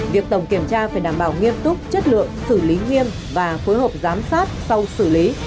việc tổng kiểm tra phải đảm bảo nghiêm túc chất lượng xử lý nghiêm và phối hợp giám sát sau xử lý